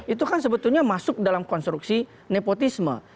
itu kan sebetulnya masuk dalam konstruksi nepotisme